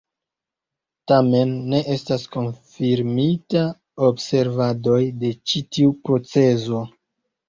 Tamen, ne estas konfirmitaj observadoj de ĉi tiu procezo.